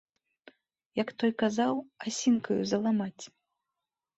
Як той казаў, асінкаю заламаць.